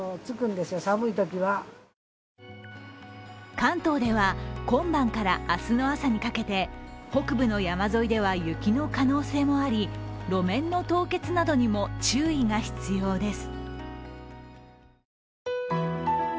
関東では、今晩から明日の朝にかけて北部の山沿いでは雪の可能性もあり路面の凍結などにも注意が必要です。